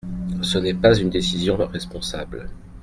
Ce n’est pas une décision responsable.